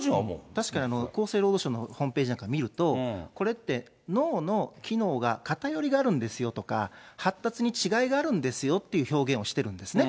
確かに厚生労働省のホームページなんか見ると、これって脳の機能に偏りがあるんですよとか、発達に違いがあるんですよって表現をしてるんですね。